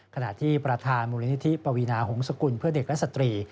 ขณะที่ประธานมูลนิธิปวีนาหงศกุลเพื่อเด็กและสตรี